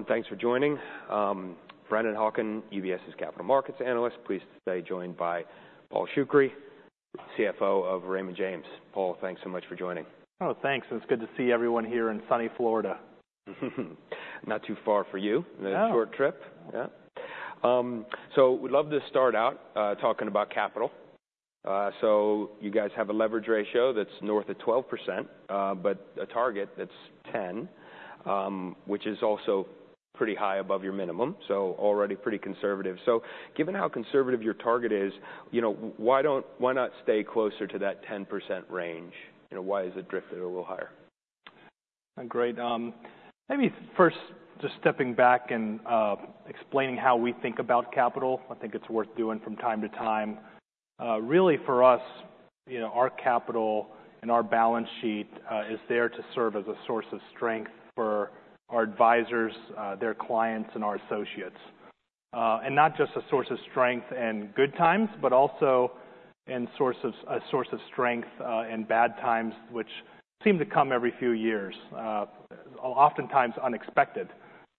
Hello everyone. Thanks for joining. Brennan Hawken, UBS's Capital Markets Analyst. Pleased to be joined by Paul Shoukry, CFO of Raymond James. Paul, thanks so much for joining. Oh thanks. It's good to see everyone here in sunny Florida. Not too far for you. Oh. A short trip. Yeah. So we'd love to start out talking about capital. So you guys have a leverage ratio that's north of 12% but a target that's 10% which is also pretty high above your minimum. So already pretty conservative. So given how conservative your target is you know why not stay closer to that 10% range? You know why is it drifted a little higher? Great. Maybe first just stepping back and explaining how we think about capital. I think it's worth doing from time to time. Really for us you know our capital and our balance sheet is there to serve as a source of strength for our advisors their clients and our associates. And not just a source of strength in good times but also a source of strength in bad times which seem to come every few years, oftentimes unexpected.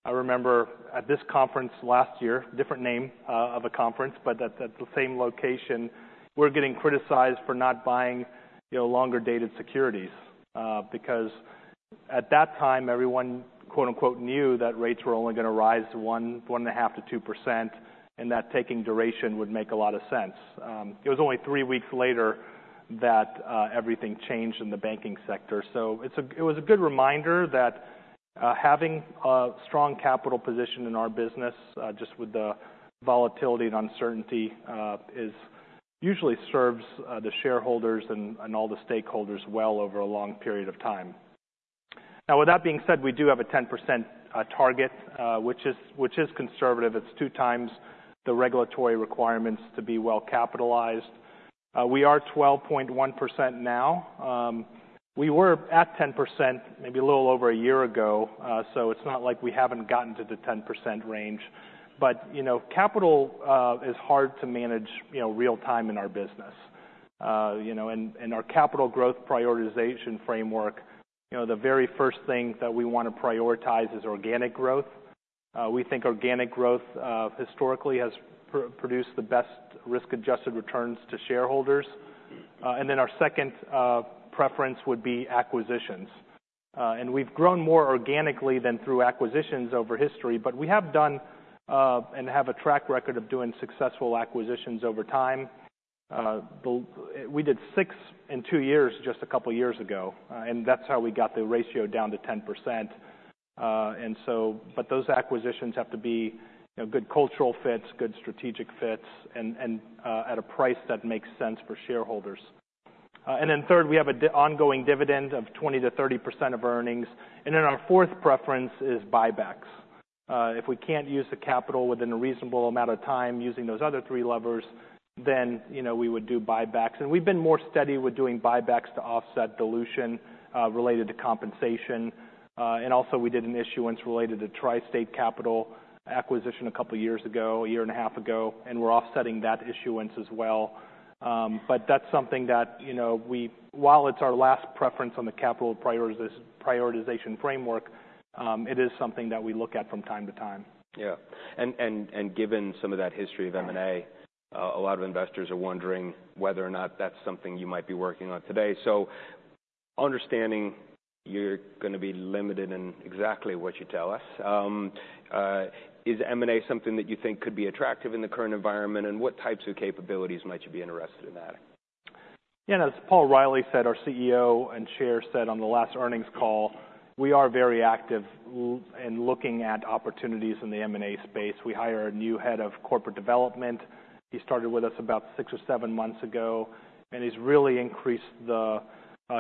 I remember at this conference last year, different name of a conference but at the same location, we were getting criticized for not buying you know longer dated securities. Because at that time everyone quote unquote knew that rates were only gonna rise 1, 1.5%-2% and that taking duration would make a lot of sense. It was only three weeks later that everything changed in the banking sector. So it was a good reminder that having a strong capital position in our business just with the volatility and uncertainty is usually serves the shareholders and all the stakeholders well over a long period of time. Now with that being said we do have a 10% target which is conservative. It's two times the regulatory requirements to be well capitalized. We are 12.1% now. We were at 10% maybe a little over a year ago. So it's not like we haven't gotten to the 10% range. But you know capital is hard to manage you know real time in our business. You know and our capital growth prioritization framework you know the very first thing that we wanna prioritize is organic growth. We think organic growth historically has produced the best risk-adjusted returns to shareholders. And then our second preference would be acquisitions. And we've grown more organically than through acquisitions over history. But we have done and have a track record of doing successful acquisitions over time. Then we did six in two years just a couple years ago. And that's how we got the ratio down to 10%. And so but those acquisitions have to be you know good cultural fits good strategic fits and at a price that makes sense for shareholders. And then third we have a dividend ongoing of 20%-30% of earnings. And then our fourth preference is buybacks. If we can't use the capital within a reasonable amount of time using those other three levers then you know we would do buybacks. We've been more steady with doing buybacks to offset dilution related to compensation. And also we did an issuance related to TriState Capital acquisition a couple years ago, a year and a half ago. And we're offsetting that issuance as well. But that's something that, you know, we while it's our last preference on the capital prioritization framework, it is something that we look at from time to time. Yeah. And given some of that history of M&A, a lot of investors are wondering whether or not that's something you might be working on today. So, understanding you're gonna be limited in exactly what you tell us, is M&A something that you think could be attractive in the current environment? And what types of capabilities might you be interested in adding? Yeah, and as Paul Reilly said, our CEO and chair said on the last earnings call, we are very active in looking at opportunities in the M&A space. We hired a new head of corporate development. He started with us about six or seven months ago. He's really increased the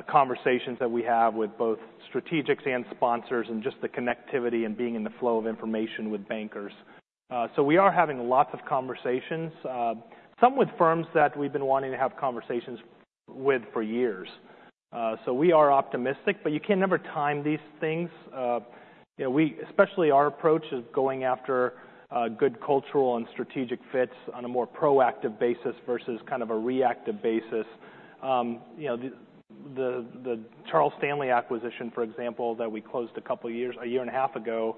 conversations that we have with both strategics and sponsors and just the connectivity and being in the flow of information with bankers. So we are having lots of conversations, some with firms that we've been wanting to have conversations with for years. So we are optimistic. But you can never time these things. You know, we especially—our approach is going after good cultural and strategic fits on a more proactive basis versus kind of a reactive basis. You know, the Charles Stanley acquisition, for example, that we closed a couple years a year and a half ago.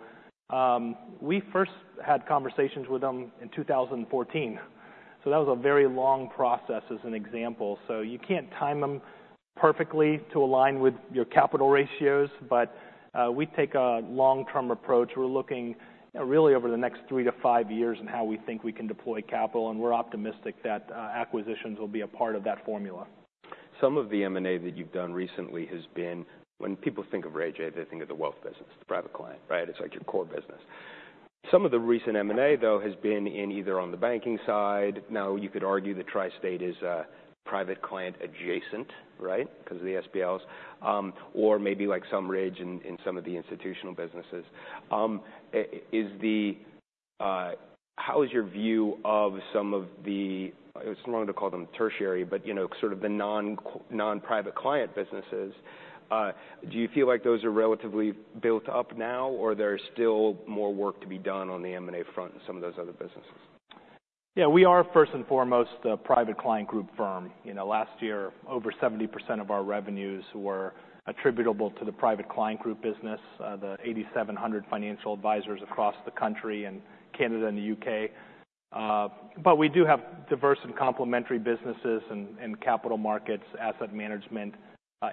We first had conversations with them in 2014. So that was a very long process as an example. So you can't time them perfectly to align with your capital ratios. But we take a long-term approach. We're looking you know really over the next three to five years in how we think we can deploy capital. And we're optimistic that acquisitions will be a part of that formula. Some of the M&A that you've done recently has been when people think of RJ they think of the wealth business the private client right? It's like your core business. Some of the recent M&A though has been in either on the banking side. Now you could argue that TriState is private client adjacent right? 'Cause of the SBLs. Or maybe like SumRidge in some of the institutional businesses. How is your view of some of the it's wrong to call them tertiary but you know sort of the non-core non-private client businesses? Do you feel like those are relatively built up now? Or there's still more work to be done on the M&A front in some of those other businesses? Yeah, we are first and foremost a Private Client Group firm. You know, last year over 70% of our revenues were attributable to the Private Client Group business, the 8,700 financial advisors across the country in Canada and the U.K. But we do have diverse and complementary businesses in capital markets, asset management,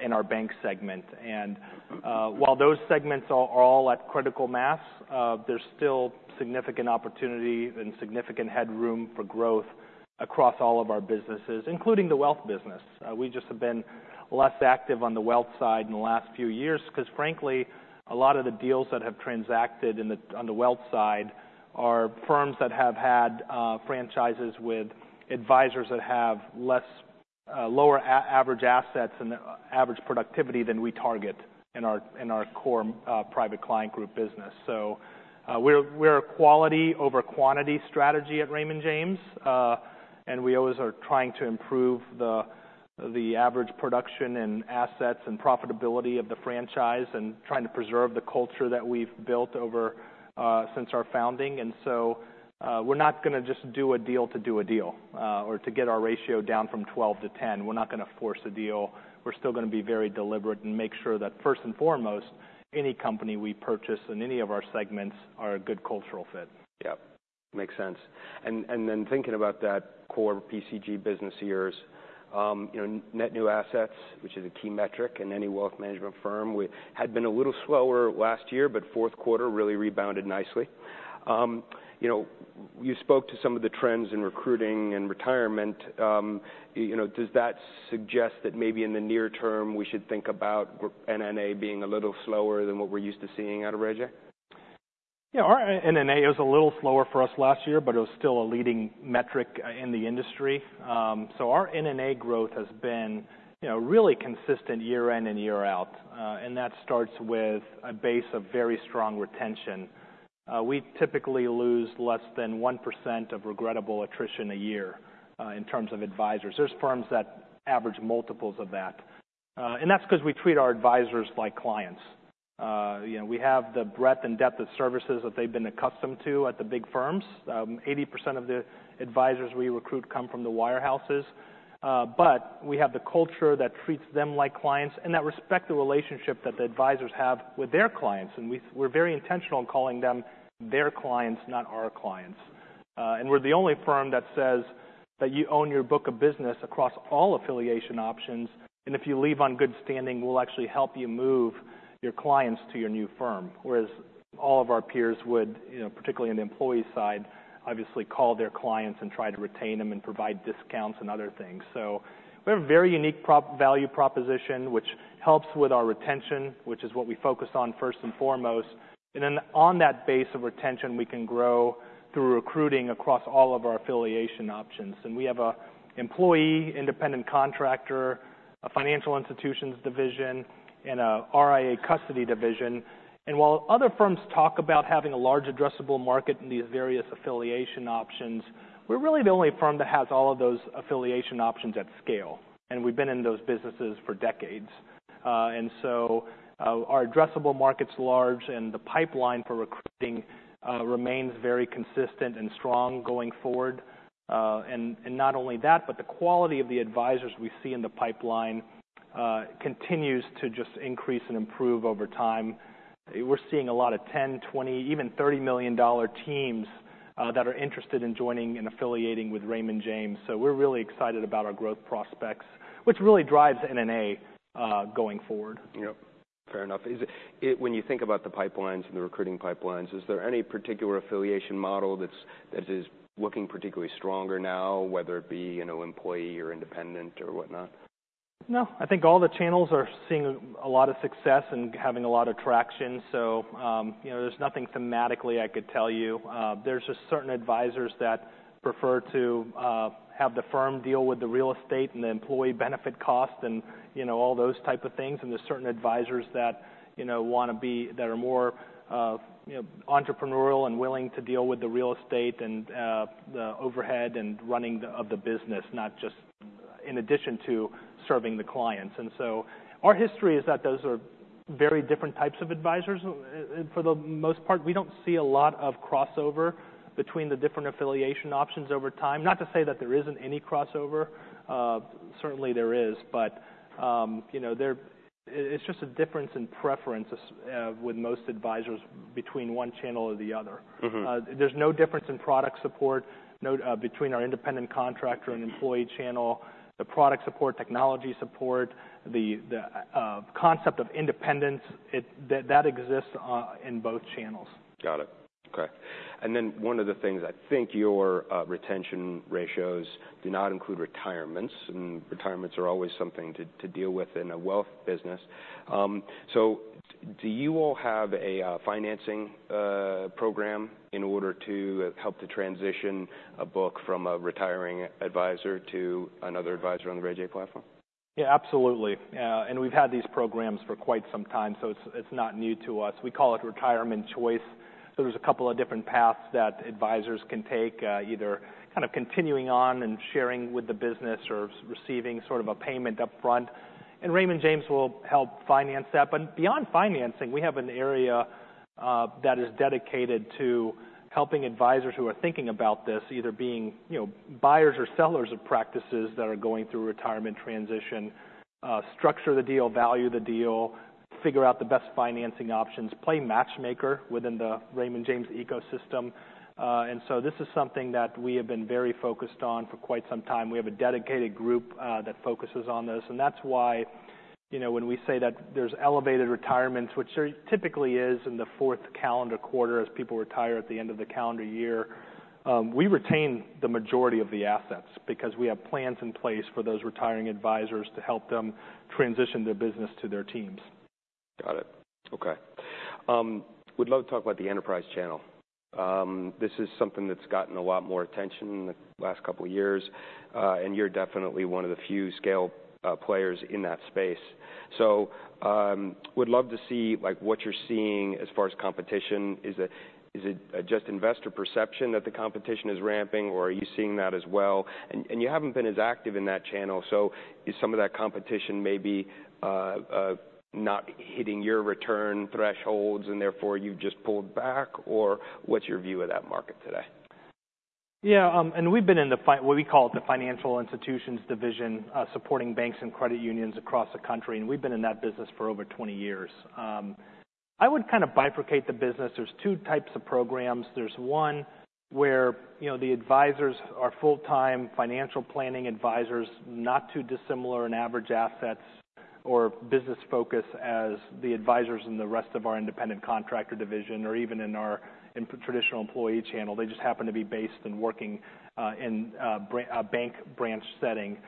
and our bank segment. And while those segments are all at critical mass, there's still significant opportunity and significant headroom for growth across all of our businesses including the wealth business. We just have been less active on the wealth side in the last few years 'cause frankly a lot of the deals that have transacted on the wealth side are firms that have had franchises with advisors that have lower average assets and average productivity than we target in our core Private Client Group business. So we're a quality over quantity strategy at Raymond James, and we always are trying to improve the average production and assets and profitability of the franchise and trying to preserve the culture that we've built over since our founding. So we're not gonna just do a deal to do a deal or to get our ratio down from 12 to 10. We're not gonna force a deal. We're still gonna be very deliberate and make sure that first and foremost any company we purchase in any of our segments are a good cultural fit. Yep. Makes sense. And then thinking about that core PCG business. Yeah, you know, net new assets, which is a key metric in any wealth management firm. We had been a little slower last year, but fourth quarter really rebounded nicely. You know, you spoke to some of the trends in recruiting and retirement. Yeah, you know, does that suggest that maybe in the near term we should think about gross NNA being a little slower than what we're used to seeing out of RJ? Yeah, our NNA was a little slower for us last year, but it was still a leading metric in the industry. So our NNA growth has been, you know, really consistent year in and year out. And that starts with a base of very strong retention. We typically lose less than 1% of regrettable attrition a year in terms of advisors. There are firms that average multiples of that. And that's 'cause we treat our advisors like clients. You know, we have the breadth and depth of services that they've been accustomed to at the big firms. 80% of the advisors we recruit come from the wirehouses. But we have the culture that treats them like clients and that respects the relationship that the advisors have with their clients. And we're very intentional in calling them their clients, not our clients. We're the only firm that says that you own your book of business across all affiliation options. If you leave on good standing, we'll actually help you move your clients to your new firm. Whereas all of our peers would, you know, particularly in the employee side, obviously call their clients and try to retain them and provide discounts and other things. We have a very unique pro-value proposition which helps with our retention, which is what we focus on first and foremost. Then, on that base of retention, we can grow through recruiting across all of our affiliation options. We have an employee, independent contractor, a Financial Institutions Division, and an RIA Custody Division. While other firms talk about having a large addressable market in these various affiliation options, we're really the only firm that has all of those affiliation options at scale. We've been in those businesses for decades. So our addressable market's large and the pipeline for recruiting remains very consistent and strong going forward. And not only that but the quality of the advisors we see in the pipeline continues to just increase and improve over time. We're seeing a lot of $10 million $20 million even $30 million-dollar teams that are interested in joining and affiliating with Raymond James. So we're really excited about our growth prospects which really drives NNA going forward. Yep. Fair enough. Is it? When you think about the pipelines and the recruiting pipelines, is there any particular affiliation model that's looking particularly stronger now whether it be you know employee or independent or whatnot? No, I think all the channels are seeing a lot of success and having a lot of traction. So you know there's nothing thematically I could tell you. There's just certain advisors that prefer to have the firm deal with the real estate and the employee benefit cost and you know all those type of things. And there's certain advisors that you know wanna be that are more you know entrepreneurial and willing to deal with the real estate and the overhead and running of the business not just in addition to serving the clients. And so our history is that those are very different types of advisors I for the most part. We don't see a lot of crossover between the different affiliation options over time. Not to say that there isn't any crossover. Certainly there is. You know, there's just a difference in preference as with most advisors between one channel or the other. Mm-hmm. There's no difference in product support, no, between our independent contractor and employee channel. The product support, technology support, the concept of independence that exists in both channels. Got it. Okay. And then one of the things I think your retention ratios do not include retirements. And retirements are always something to deal with in a wealth business. So, do you all have a financing program in order to help to transition a book from a retiring advisor to another advisor on the RJ platform? Yeah, absolutely. And we've had these programs for quite some time, so it's not new to us. We call it Retirement Choice. So there's a couple of different paths that advisors can take, either kind of continuing on and sharing with the business or receiving sort of a payment up front. And Raymond James will help finance that. But beyond financing, we have an area that is dedicated to helping advisors who are thinking about this, either being, you know, buyers or sellers of practices that are going through retirement transition, structure the deal, value the deal, figure out the best financing options, play matchmaker within the Raymond James ecosystem. And so this is something that we have been very focused on for quite some time. We have a dedicated group that focuses on this. That's why you know when we say that there's elevated retirements, which there typically is in the fourth calendar quarter as people retire at the end of the calendar year, we retain the majority of the assets because we have plans in place for those retiring advisors to help them transition their business to their teams. Got it. Okay. Would love to talk about the enterprise channel. This is something that's gotten a lot more attention in the last couple years. And you're definitely one of the few scale players in that space. So would love to see like what you're seeing as far as competition. Is it, is it just investor perception that the competition is ramping or are you seeing that as well? And you haven't been as active in that channel so is some of that competition maybe not hitting your return thresholds and therefore you've just pulled back? Or what's your view of that market today? Yeah, and we've been in the, what we call the Financial Institutions Division, supporting banks and credit unions across the country. We've been in that business for over 20 years. I would kinda bifurcate the business. There's two types of programs. There's one where you know the advisors are full-time financial planning advisors not too dissimilar in average assets or business focus as the advisors in the rest of our independent contractor division or even in our traditional employee channel. They just happen to be based and working in a bank branch setting.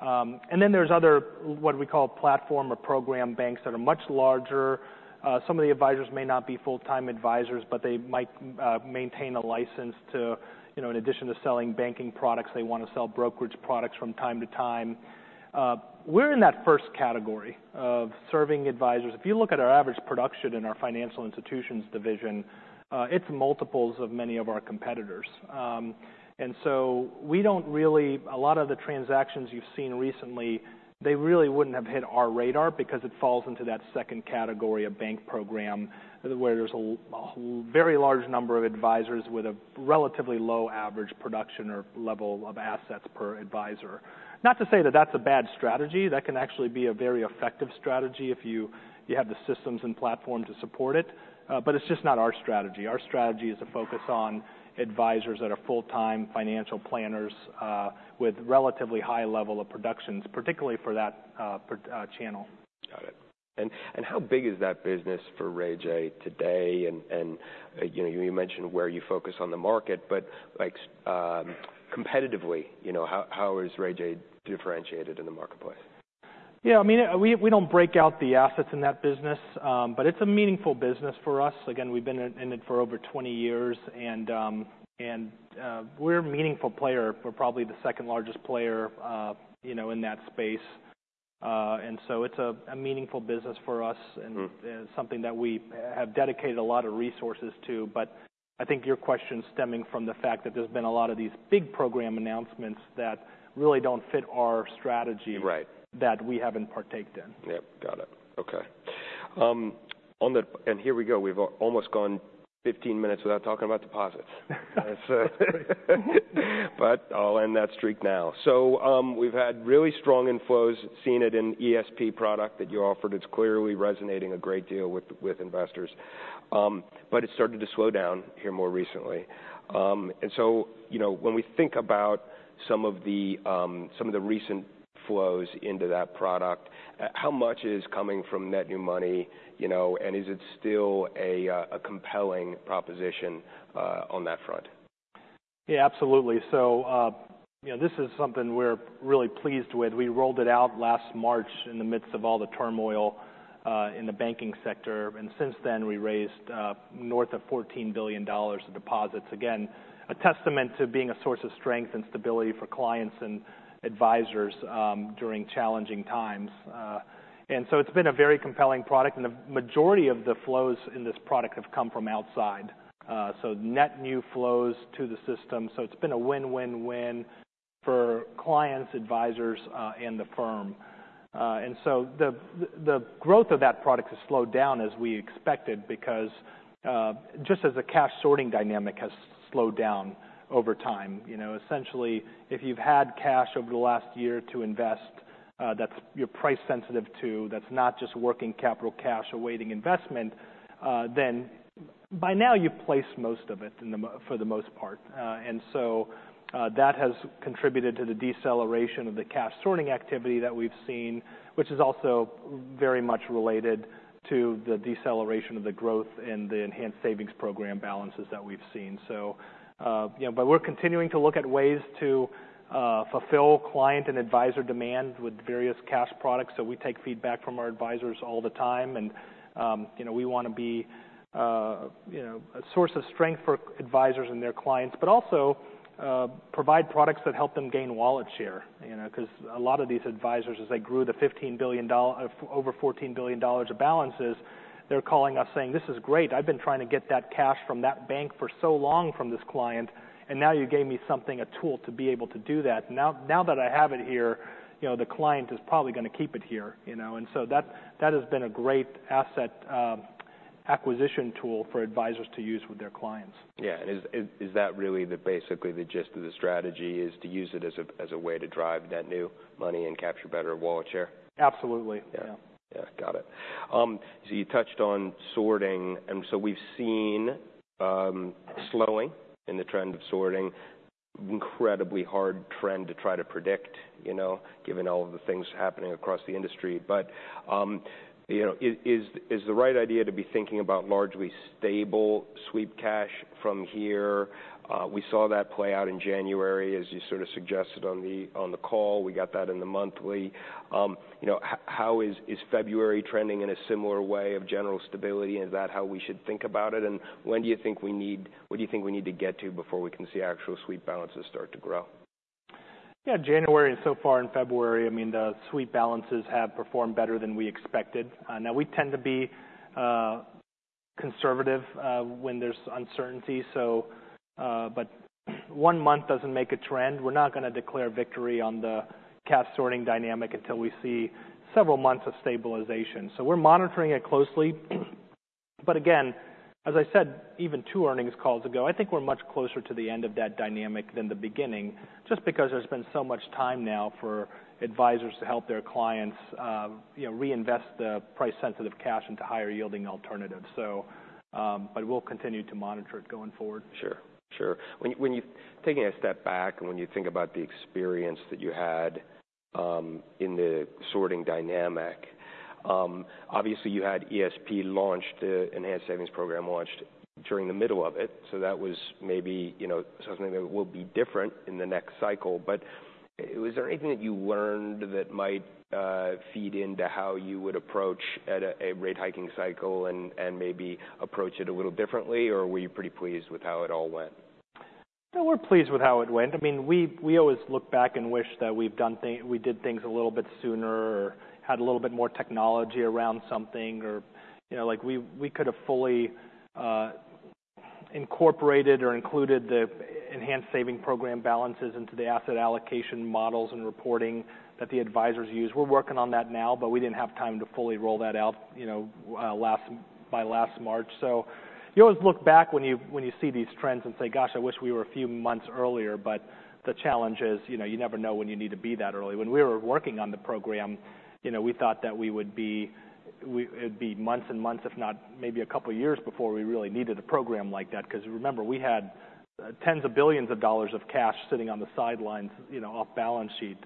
Then there's other, what we call, platform or program banks that are much larger. Some of the advisors may not be full-time advisors but they might maintain a license to you know in addition to selling banking products they wanna sell brokerage products from time to time. We're in that first category of serving advisors. If you look at our average production in our Financial Institutions Division, it's multiples of many of our competitors. And so we don't really a lot of the transactions you've seen recently; they really wouldn't have hit our radar because it falls into that second category of bank program where there's a whole very large number of advisors with a relatively low average production or level of assets per advisor. Not to say that that's a bad strategy. That can actually be a very effective strategy if you have the systems and platform to support it. But it's just not our strategy. Our strategy is to focus on advisors that are full-time financial planners with relatively high level of productions particularly for that per channel. Got it. And how big is that business for RJ today? And you know, you mentioned where you focus on the market. But like, so competitively, you know, how is RJ differentiated in the marketplace? Yeah, I mean, we don't break out the assets in that business, but it's a meaningful business for us. Again, we've been in it for over 20 years. And we're a meaningful player. We're probably the second largest player, you know, in that space, and so it's a meaningful business for us and. Mm-hmm. something that we have dedicated a lot of resources to. But I think your question's stemming from the fact that there's been a lot of these big program announcements that really don't fit our strategy. Right. That we haven't partaken in. Yep. Got it. Okay, on the phone and here we go. We've almost gone 15 minutes without talking about deposits. But I'll end that streak now. So we've had really strong inflows, seen it in ESP product that you offered. It's clearly resonating a great deal with investors. But it started to slow down here more recently. And so you know when we think about some of the recent flows into that product, how much is coming from net new money you know and is it still a compelling proposition on that front? Yeah, absolutely. So you know, this is something we're really pleased with. We rolled it out last March in the midst of all the turmoil in the banking sector. Since then, we raised north of $14 billion of deposits. Again, a testament to being a source of strength and stability for clients and advisors during challenging times. So it's been a very compelling product. The majority of the flows in this product have come from outside, so net new flows to the system. So it's been a win win win for clients, advisors, and the firm. The growth of that product has slowed down as we expected because just as the cash sorting dynamic has slowed down over time. You know, essentially, if you've had cash over the last year to invest, that you're price sensitive to, that's not just working capital cash awaiting investment, then by now you've placed most of it in the money for the most part. And so that has contributed to the deceleration of the cash sorting activity that we've seen, which is also very much related to the deceleration of the growth in the Enhanced Savings Program balances that we've seen. So, you know, but we're continuing to look at ways to fulfill client and advisor demand with various cash products. So we take feedback from our advisors all the time. And you know we wanna be, you know, a source of strength for our advisors and their clients. But also provide products that help them gain wallet share, you know. 'Cause a lot of these advisors as they grew the $15 billion flow over $14 billion of balances they're calling us saying this is great. I've been trying to get that cash from that bank for so long from this client and now you gave me something, a tool to be able to do that. Now that I have it here you know the client is probably gonna keep it here you know. And so that has been a great asset acquisition tool for advisors to use with their clients. Yeah, and is it really basically the gist of the strategy to use it as a way to drive net new money and capture better wallet share? Absolutely. Yeah. Yeah. Yeah. Got it. So you touched on sorting. And so we've seen slowing in the trend of sorting. Incredibly hard trend to try to predict you know given all of the things happening across the industry. But you know is the right idea to be thinking about largely stable sweep cash from here? We saw that play out in January as you sort of suggested on the call. We got that in the monthly. You know how is February trending in a similar way of general stability? Is that how we should think about it? And when do you think we need to get to before we can see actual sweep balances start to grow? Yeah, January so far and February—I mean, the sweep balances have performed better than we expected. Now we tend to be conservative when there's uncertainty. But one month doesn't make a trend. We're not gonna declare victory on the cash sorting dynamic until we see several months of stabilization. So we're monitoring it closely. But again, as I said even two earnings calls ago, I think we're much closer to the end of that dynamic than the beginning just because there's been so much time now for advisors to help their clients, you know, reinvest the price-sensitive cash into higher-yielding alternatives. But we'll continue to monitor it going forward. Sure. Sure. When you taking a step back and when you think about the experience that you had in the sorting dynamic, obviously you had ESP launched the Enhanced Savings Program launched during the middle of it. So that was maybe, you know, something that will be different in the next cycle. But was there anything that you learned that might feed into how you would approach at a rate hiking cycle and maybe approach it a little differently? Or were you pretty pleased with how it all went? No, we're pleased with how it went. I mean, we always look back and wish that we've done things we did things a little bit sooner or had a little bit more technology around something or, you know, like we could have fully incorporated or included the Enhanced Savings Program balances into the asset allocation models and reporting that the advisors use. We're working on that now, but we didn't have time to fully roll that out, you know, last March by last March. So you always look back when you see these trends and say, gosh, I wish we were a few months earlier. But the challenge is, you know, you never know when you need to be that early. When we were working on the program, you know, we thought that it'd be months and months, if not maybe a couple years, before we really needed a program like that. 'Cause remember we had $ tens of billions of cash sitting on the sidelines, you know, off balance sheet,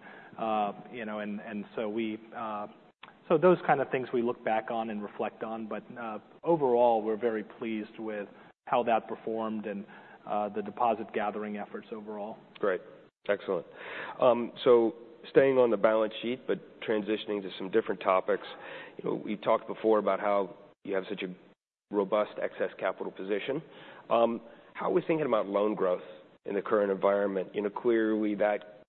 you know. And so those kinda things we look back on and reflect on. But overall we're very pleased with how that performed and the deposit gathering efforts overall. Great. Excellent. So staying on the balance sheet but transitioning to some different topics you know we talked before about how you have such a robust excess capital position. How are we thinking about loan growth in the current environment? You know clearly that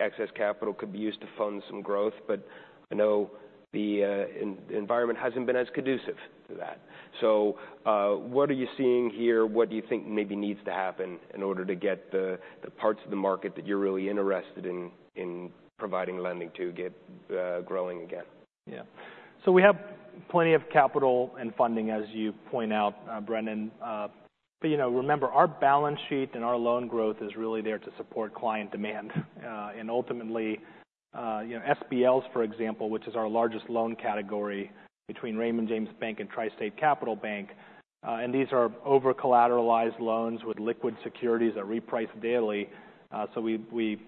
excess capital could be used to fund some growth. But I know the environment hasn't been as conducive to that. So what are you seeing here? What do you think maybe needs to happen in order to get the parts of the market that you're really interested in providing lending to get growing again? Yeah. So we have plenty of capital and funding as you point out, Brennan. But you know, remember our balance sheet and our loan growth is really there to support client demand. And ultimately you know, SBLs for example, which is our largest loan category between Raymond James Bank and TriState Capital Bank. And these are over-collateralized loans with liquid securities that reprice daily. So we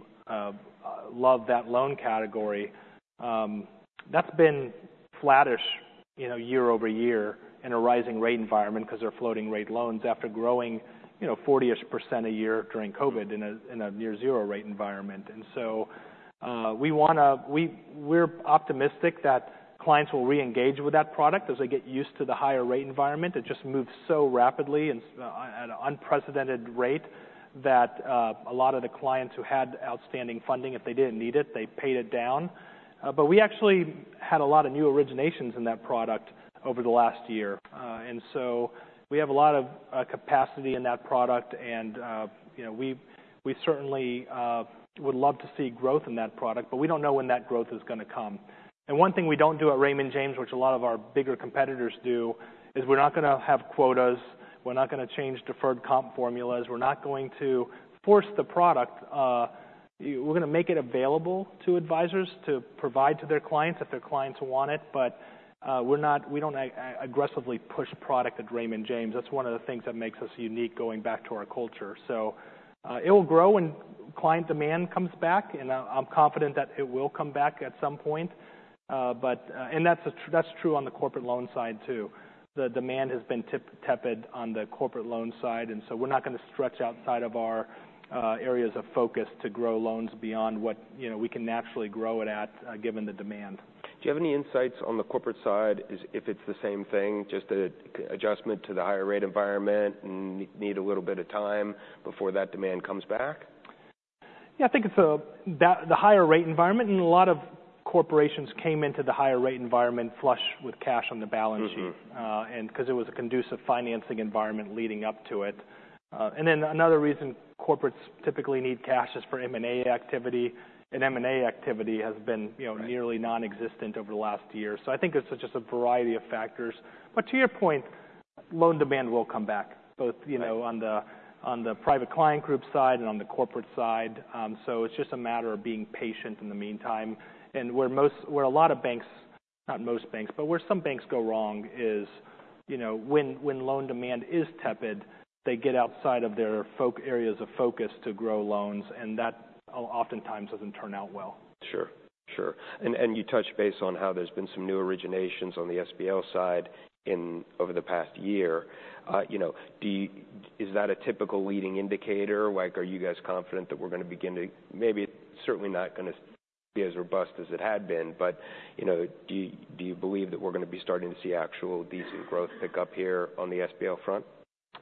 love that loan category. That's been flat-ish you know, year-over-year in a rising rate environment 'cause they're floating rate loans after growing you know 40%-ish a year during COVID in a near-zero rate environment. And so we wanna we're optimistic that clients will reengage with that product as they get used to the higher rate environment. It just moved so rapidly and so at an unprecedented rate that a lot of the clients who had outstanding funding if they didn't need it they paid it down. But we actually had a lot of new originations in that product over the last year. And so we have a lot of capacity in that product and you know we certainly would love to see growth in that product. But we don't know when that growth is gonna come. And one thing we don't do at Raymond James which a lot of our bigger competitors do is we're not gonna have quotas. We're not gonna change deferred comp formulas. We're not going to force the product. We're gonna make it available to advisors to provide to their clients if their clients want it. But we're not. We don't aggressively push product at Raymond James. That's one of the things that makes us unique going back to our culture. So it will grow when client demand comes back. And I'm confident that it will come back at some point. But that's true on the corporate loan side too. The demand has been tip-toed on the corporate loan side. And so we're not gonna stretch outside of our areas of focus to grow loans beyond what you know we can naturally grow it at given the demand. Do you have any insights on the corporate side as if it's the same thing, just an adjustment to the higher rate environment, and need a little bit of time before that demand comes back? Yeah, I think it's that the higher rate environment and a lot of corporations came into the higher rate environment flush with cash on the balance sheet. Mm-hmm. 'Cause it was a conducive financing environment leading up to it. And then another reason corporates typically need cash is for M&A activity. And M&A activity has been, you know, nearly non-existent over the last year. So I think it's such a variety of factors. But to your point, loan demand will come back both, you know, on the Private Client Group side and on the corporate side. So it's just a matter of being patient in the meantime. And where a lot of banks, not most banks, but where some banks go wrong is, you know, when loan demand is tepid, they get outside of their core areas of focus to grow loans. And that oftentimes doesn't turn out well. Sure. Sure. And you touched base on how there's been some new originations on the SBL side over the past year. You know, do you—is that a typical leading indicator? Like, are you guys confident that we're gonna begin to—maybe it's certainly not gonna be as robust as it had been. But you know, do you believe that we're gonna be starting to see actual decent growth pick up here on the SBL front?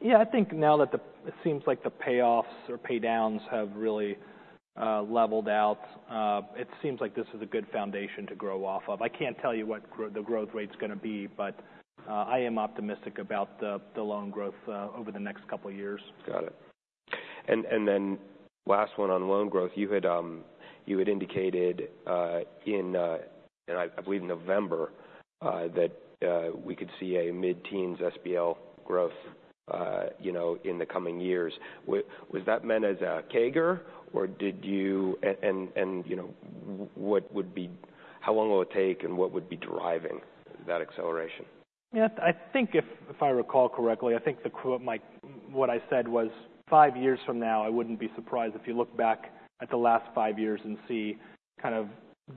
Yeah, I think now that it seems like the payoffs or paydowns have really leveled out, it seems like this is a good foundation to grow off of. I can't tell you what the growth rate's gonna be. But I am optimistic about the loan growth over the next couple years. Got it. And then last one on loan growth. You had indicated, and I believe in November, that we could see a mid-teens SBL growth, you know, in the coming years. Was that meant as a kicker? Or did you, and you know, what would be, how long will it take and what would be driving that acceleration? Yeah, I think if I recall correctly, I think the quote might be what I said was five years from now I wouldn't be surprised if you look back at the last five years and see kind of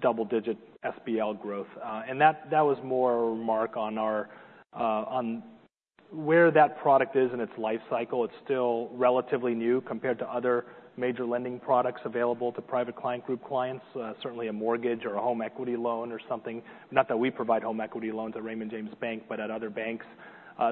double-digit SBL growth. And that was more a remark on our on where that product is in its life cycle. It's still relatively new compared to other major lending products available to Private Client Group clients, certainly a mortgage or a home equity loan or something. Not that we provide home equity loans at Raymond James Bank but at other banks.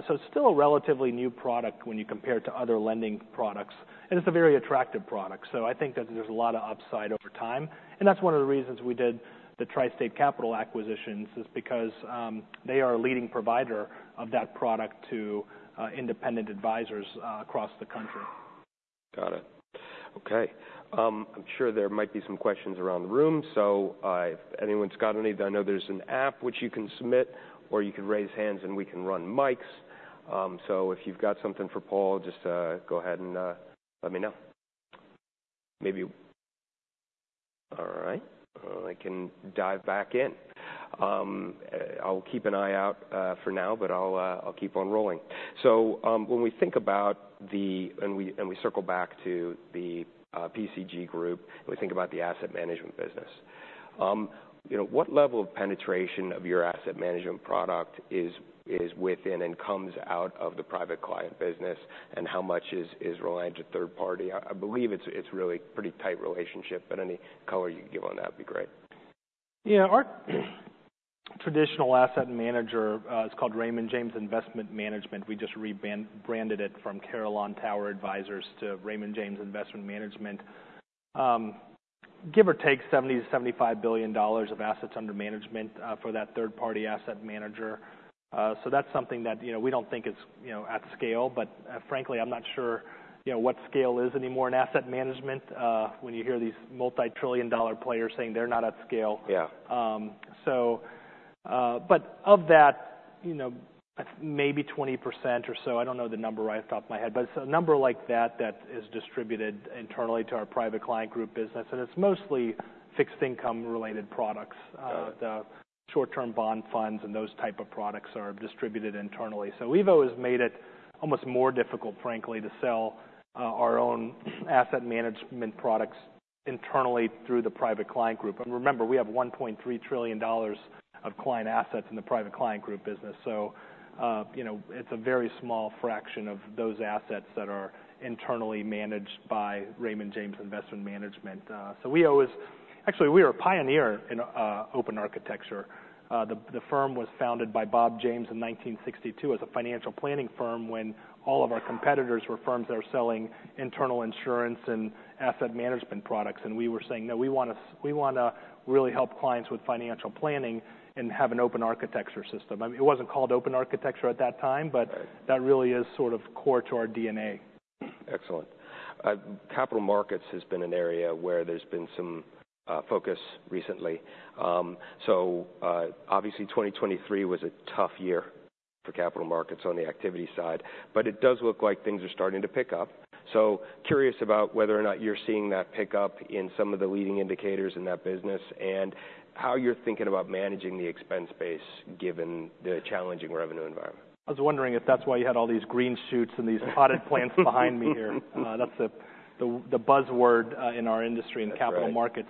So it's still a relatively new product when you compare to other lending products. And it's a very attractive product. So I think that there's a lot of upside over time. That's one of the reasons we did the TriState Capital acquisitions is because they are a leading provider of that product to independent advisors across the country. Got it. Okay. I'm sure there might be some questions around the room. So if anyone's got any then I know there's an app which you can submit or you can raise hands and we can run mics. So if you've got something for Paul just go ahead and let me know. Maybe we'll, all right. I can dive back in. I'll keep an eye out for now but I'll keep on rolling. So when we circle back to the PCG Group and we think about the asset management business, you know what level of penetration of your asset management product is within and comes out of the private client business? And how much is reliant to third party? I believe it's really pretty tight relationship. But any color you can give on that would be great. Yeah, our traditional asset manager is called Raymond James Investment Management. We just rebranded it from Carillon Tower Advisers to Raymond James Investment Management. Give or take $70 billion-$75 billion of assets under management for that third party asset manager. So that's something that you know we don't think it's you know at scale. But frankly I'm not sure you know what scale is anymore in asset management when you hear these multi-trillion dollar players saying they're not at scale. Yeah. But of that, you know, I think maybe 20% or so. I don't know the number right off the top of my head. But it's a number like that that is distributed internally to our Private Client Group business. And it's mostly fixed income related products. The short-term bond funds and those type of products are distributed internally. So we've always made it almost more difficult frankly to sell our own asset management products internally through the Private Client Group. And remember we have $1.3 trillion of client assets in the Private Client Group business. So you know it's a very small fraction of those assets that are internally managed by Raymond James Investment Management. So we always actually were a pioneer in open architecture. The firm was founded by Bob James in 1962 as a financial planning firm when all of our competitors were firms that were selling internal insurance and asset management products. We were saying no, we wanna really help clients with financial planning and have an open architecture system. I mean, it wasn't called open architecture at that time, but- Right. -that really is sort of core to our DNA. Excellent. Capital Markets has been an area where there's been some focus recently. So obviously 2023 was a tough year for Capital Markets on the activity side. But it does look like things are starting to pick up. So curious about whether or not you're seeing that pick up in some of the leading indicators in that business and how you're thinking about managing the expense base given the challenging revenue environment. I was wondering if that's why you had all these green shoots and these potted plants behind me here. That's the buzzword in our industry in capital markets.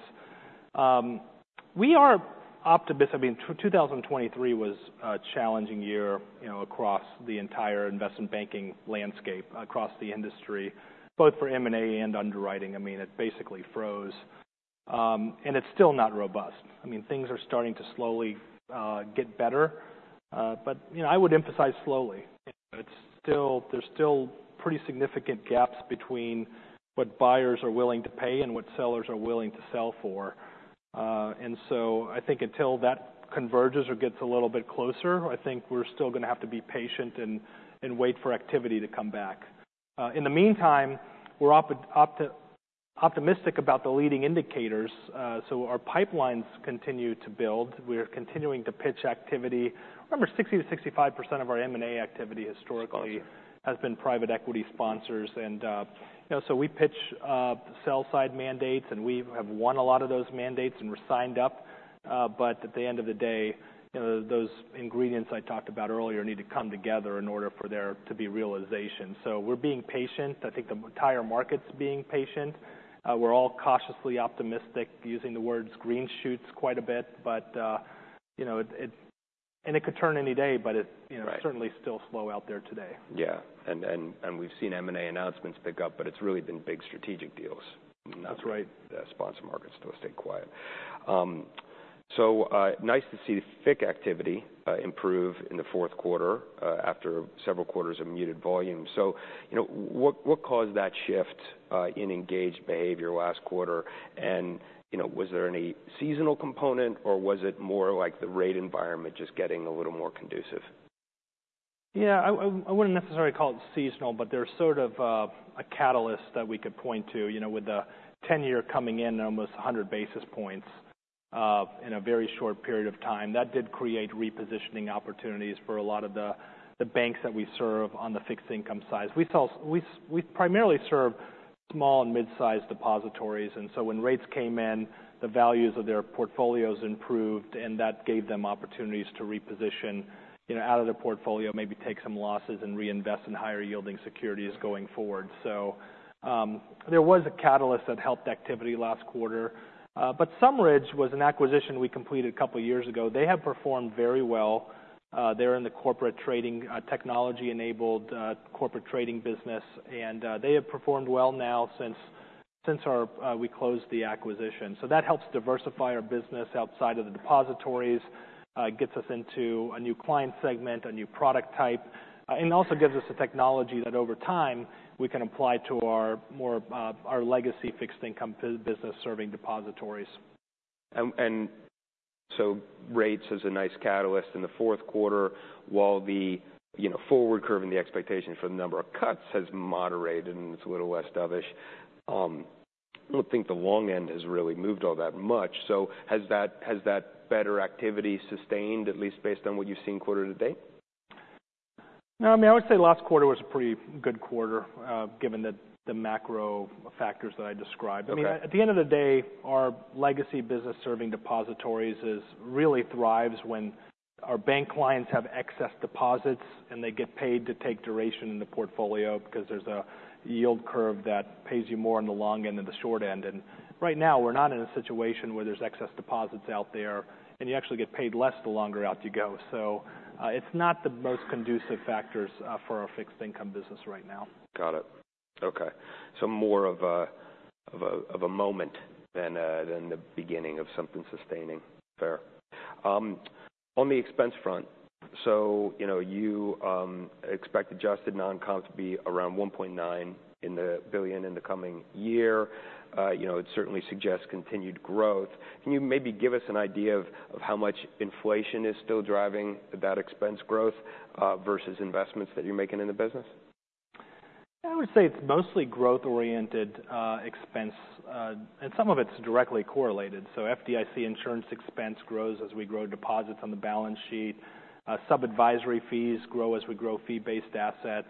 That's right. We are optimistic. I mean, 2023 was a challenging year, you know, across the entire investment banking landscape across the industry both for M&A and underwriting. I mean, it basically froze. It's still not robust. I mean, things are starting to slowly get better. But you know, I would emphasize slowly. You know, it's still. There's still pretty significant gaps between what buyers are willing to pay and what sellers are willing to sell for. So I think until that converges or gets a little bit closer, I think we're still gonna have to be patient and wait for activity to come back. In the meantime, we're optimistic about the leading indicators. So our pipelines continue to build. We're continuing to pitch activity. Remember, 60%-65% of our M&A activity historically. Right. Has been private equity sponsors. And you know, so we pitch sell-side mandates. And we have won a lot of those mandates and we're signed up. But at the end of the day, you know, those ingredients I talked about earlier need to come together in order for there to be realization. So we're being patient. I think the entire market's being patient. We're all cautiously optimistic, using the words green shoots quite a bit. But you know, it could turn any day, but it, you know. Right. It's certainly still slow out there today. Yeah. And we've seen M&A announcements pick up, but it's really been big strategic deals. That's right. Not the capital markets to stay quiet. So nice to see the FIC activity improve in the fourth quarter after several quarters of muted volume. So you know what caused that shift in engaged behavior last quarter? And you know was there any seasonal component or was it more like the rate environment just getting a little more conducive? Yeah, I wouldn't necessarily call it seasonal, but there's sort of a catalyst that we could point to. You know, with the ten-year coming in almost 100 basis points in a very short period of time, that did create repositioning opportunities for a lot of the banks that we serve on the fixed income side. We primarily serve small and mid-sized depositories. And so when rates came in, the values of their portfolios improved. And that gave them opportunities to reposition, you know, out of their portfolio, maybe take some losses and reinvest in higher yielding securities going forward. So there was a catalyst that helped activity last quarter. SumRidge was an acquisition we completed a couple years ago. They have performed very well. They're in the corporate trading technology-enabled corporate trading business. And they have performed well now since we closed the acquisition. So that helps diversify our business outside of the depositories. Gets us into a new client segment, a new product type, and also gives us a technology that over time we can apply to our legacy fixed income business serving depositories. And so rates is a nice catalyst in the fourth quarter while the, you know, forward curve and the expectation for the number of cuts has moderated and it's a little less dovish. I don't think the long end has really moved all that much. So has that better activity sustained, at least based on what you've seen quarter to date? No, I mean, I would say last quarter was a pretty good quarter given the macro factors that I described. Okay. I mean, at the end of the day, our legacy business serving depositories really thrives when our bank clients have excess deposits and they get paid to take duration in the portfolio 'cause there's a yield curve that pays you more on the long end than the short end. Right now, we're not in a situation where there's excess deposits out there. And you actually get paid less the longer out you go. So it's not the most conducive factors for our fixed income business right now. Got it. Okay. So more of a moment than the beginning of something sustaining. Fair. On the expense front, so you know you expect adjusted non-comps to be around $1.9 billion in the coming year. You know it certainly suggests continued growth. Can you maybe give us an idea of how much inflation is still driving that expense growth versus investments that you're making in the business? Yeah, I would say it's mostly growth-oriented expense. And some of it's directly correlated. So FDIC insurance expense grows as we grow deposits on the balance sheet. Sub-advisory fees grow as we grow fee-based assets.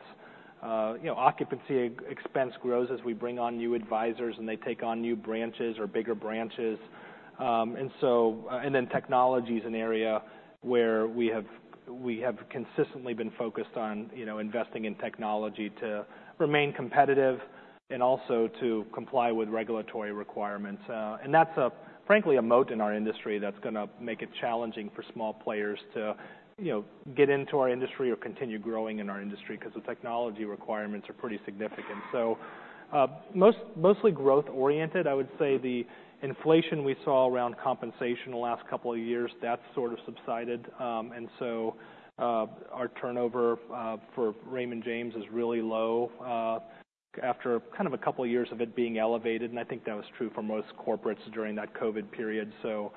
You know, occupancy expense grows as we bring on new advisors and they take on new branches or bigger branches. And so and then technology's an area where we have we have consistently been focused on you know investing in technology to remain competitive and also to comply with regulatory requirements. And that's frankly a moat in our industry that's gonna make it challenging for small players to you know get into our industry or continue growing in our industry 'cause the technology requirements are pretty significant. So mostly growth-oriented, I would say. The inflation we saw around compensation the last couple of years that's sort of subsided. And so our turnover for Raymond James is really low, after kind of a couple years of it being elevated. I think that was true for most corporates during that COVID period. You know,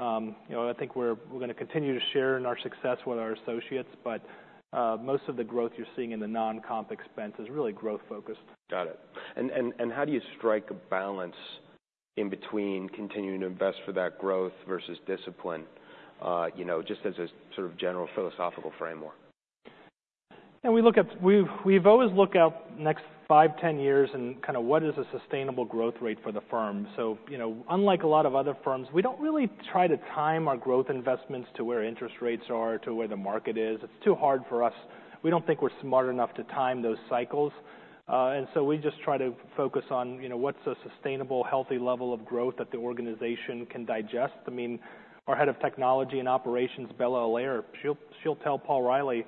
I think we're gonna continue to share in our success with our associates. But most of the growth you're seeing in the non-comp expense is really growth-focused. Got it. And how do you strike a balance in between continuing to invest for that growth versus discipline, you know, just as a sort of general philosophical framework? Yeah, we've always looked out next 5-10 years and kinda what is a sustainable growth rate for the firm. So, you know, unlike a lot of other firms, we don't really try to time our growth investments to where interest rates are, to where the market is. It's too hard for us. We don't think we're smart enough to time those cycles. So we just try to focus on, you know, what's a sustainable healthy level of growth that the organization can digest. I mean, our head of technology and operations Bella Allaire, she'll tell Paul Reilly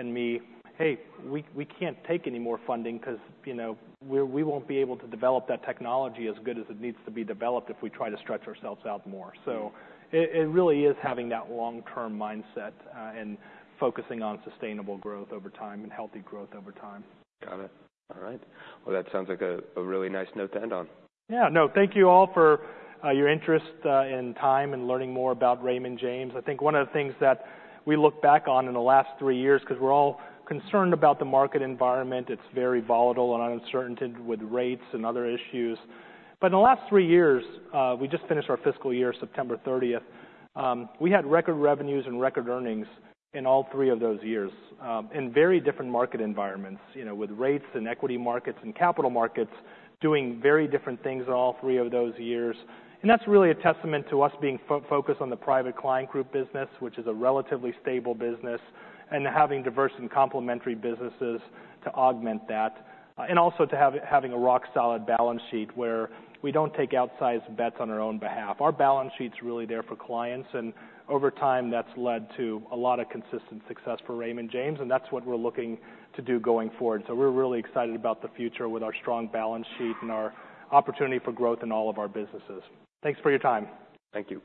and me, hey, we can't take any more funding 'cause, you know, we're we won't be able to develop that technology as good as it needs to be developed if we try to stretch ourselves out more. It really is having that long-term mindset and focusing on sustainable growth over time and healthy growth over time. Got it. All right. Well, that sounds like a really nice note to end on. Yeah, no, thank you all for your interest in time and learning more about Raymond James. I think one of the things that we look back on in the last three years 'cause we're all concerned about the market environment. It's very volatile and uncertain with rates and other issues. But in the last three years we just finished our fiscal year September thirtieth. We had record revenues and record earnings in all three of those years in very different market environments you know with rates and equity markets and capital markets doing very different things in all three of those years. And that's really a testament to us being focused on the Private Client Group business which is a relatively stable business and having diverse and complementary businesses to augment that. And also to have it having a rock-solid balance sheet where we don't take outsized bets on our own behalf. Our balance sheet's really there for clients. Over time that's led to a lot of consistent success for Raymond James. That's what we're looking to do going forward. We're really excited about the future with our strong balance sheet and our opportunity for growth in all of our businesses. Thanks for your time. Thank you.